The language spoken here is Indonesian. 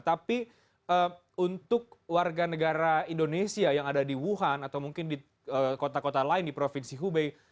tapi untuk warga negara indonesia yang ada di wuhan atau mungkin di kota kota lain di provinsi hubei